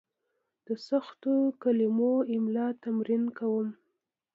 زه د سختو کلمو املا تمرین کوم.